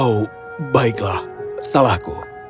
oh baiklah salahku